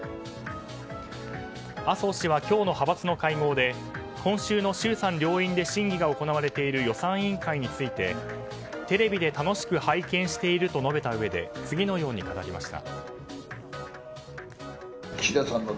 麻生氏は、今日の派閥の会合で今週の衆参両院で審議が行われている予算委員会についてテレビで楽しく拝見していると述べたうえで次のように語りました。